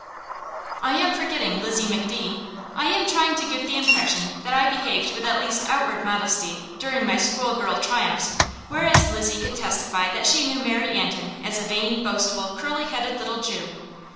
I am forgetting Lizzie McDee. I am trying to give the impression that I behaved with at least outward modesty during my schoolgirl triumphs, whereas Lizzie could testify that she knew Mary Antin as a vain boastful, curly headed little Jew.